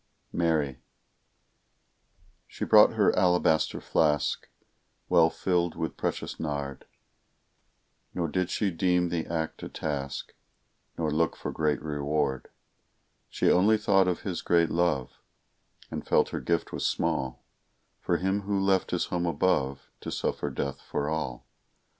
MARY She brought her alabaster flask Well filled with precious nard; Nor did she deem the act a task, Nor look for great reward; She only thought of His great love, And felt her gift was small For Him who left His home above To suffer death for all.